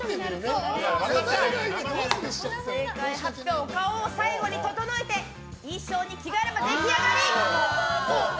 お顔を最後に整えて衣装に着替えれば出来上がり！